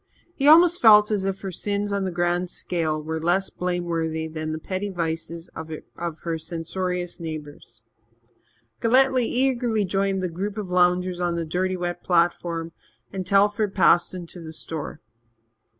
He almost felt as if her sins on the grand scale were less blameworthy than the petty vices of her censorious neighbours. Galletly eagerly joined the group of loungers on the dirty wet platform, and Telford passed into the store.